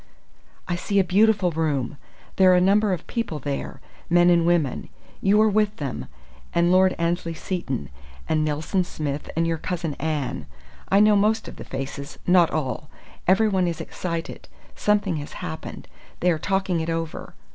"I see a beautiful room. There are a number of people there men and women. You are with them, and Lord Annesley Seton and Nelson Smith and your cousin Anne. I know most of the faces not all. Everyone is excited. Something has happened. They are talking it over....